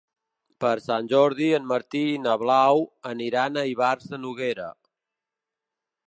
Per Sant Jordi en Martí i na Blau aniran a Ivars de Noguera.